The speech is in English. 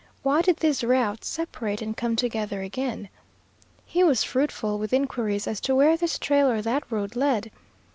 Why did these routes separate and come together again? He was fruitful with inquiries as to where this trail or that road led.